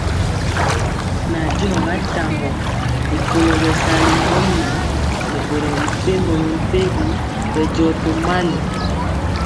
Nandiɔ ga tambɔ rikolo bɛsali ŋgomnaŋ nɛ boro mepempɔ mɛmpegi bɛndiɔ tomali.